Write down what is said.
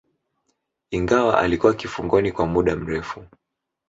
ingawa alikuwa kifungoni kwa muda mrefu